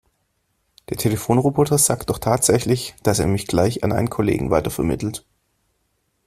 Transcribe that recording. Der Telefonroboter sagt doch tatsächlich, dass er mich gleich an einen Kollegen weitervermittelt.